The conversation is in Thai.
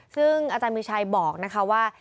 ซึ่งอาจารย์มีชัยบอกนะคะว่า